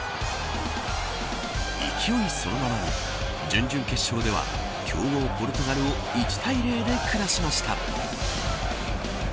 勢いそのままに、準々決勝では強豪ポルトガルを１対０で下しました。